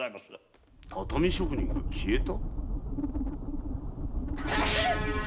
畳職人が消えた？